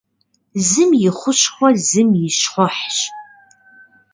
Зым и хущхъуэ зым и щхъухьщ.